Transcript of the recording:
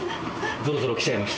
ぞろぞろ来ちゃいました。